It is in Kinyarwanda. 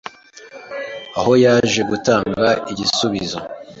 aho yaje gutanga igisubizo